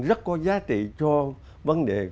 rất có giá trị cho vấn đề